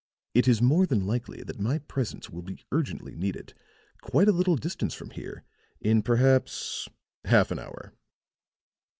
It is more than likely that my presence will be urgently needed quite a little distance from here in perhaps half an hour."